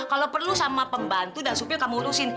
kalau perlu sama pembantu dan supir kamu urusin